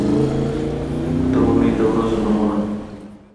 د اونۍ د ورځو نومونه